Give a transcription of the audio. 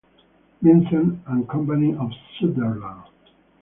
Vincent and Company of Sunderland.